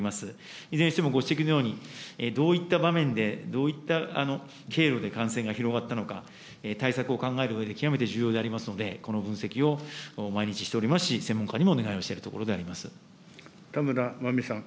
いずれにしても、ご指摘のように、どういった場面で、どういった経路で感染が広がったのか、対策を考えるうえで、極めて重要でありますので、この分析を毎日、しておりますし、専門家にもお願いを田村麻美さん。